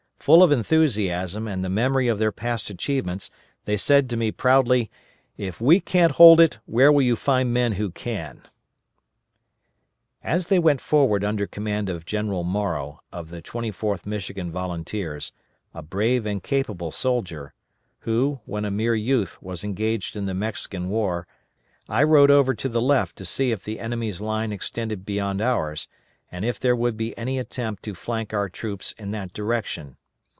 Full of enthusiasm and the memory of their past achievements they said to me proudly, "If we can't hold it, where will you find men who can?" As they went forward under command of Colonel Morrow* of the 24th Michigan Volunteers, a brave and capable soldier, who, when a mere youth, was engaged in the Mexican War, I rode over to the left to see if the enemy's line extended beyond ours, and if there would be any attempt to flank our troops in that direction.